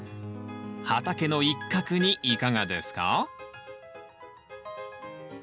畑の一角にいかがですか？